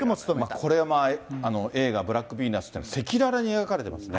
これ、映画、ブラックヴィーナスっていうのは、赤裸々に描かれてますね。